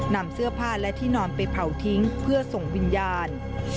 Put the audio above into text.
นำเสื้อผ้าและที่นอนไปเผาทิ้งเพื่อส่งวิญญาณ